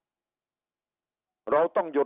ลูกหลานบอกว่าเรียกรถไปหลายครั้งนะครับ